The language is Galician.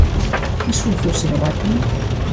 Que solucións se debaten?